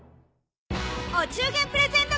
お中元プレゼント